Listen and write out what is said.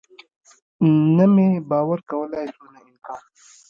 نه مې باور کولاى سو نه انکار.